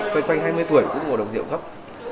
quay quanh hai mươi tuổi cũng ngộ độc rượu cấp